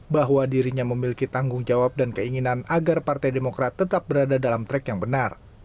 bahwa dirinya memiliki tanggung jawab dan keinginan agar partai demokrat tetap berada dalam track yang benar